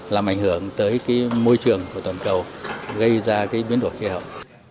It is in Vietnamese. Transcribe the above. làm ảnh hưởng tới cái môi trường của toàn cầu gây ra cái biến đổi khí hậu